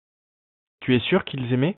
Tu es sûr qu’ils aimaient.